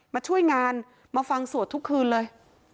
มาช่วยงานมาฟังสวดทุกคืนเลย